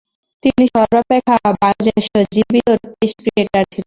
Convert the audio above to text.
তিনি সর্বাপেক্ষা বয়োঃজ্যেষ্ঠ জীবিত টেস্ট ক্রিকেটার ছিলেন।